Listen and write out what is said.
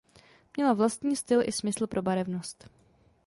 Měla vlastní styl i smysl pro barevnost.